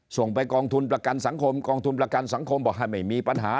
ส่งไปกองทุนประกันสังคมกองทุนประกันสังคมบอกให้ไม่มีปัญหา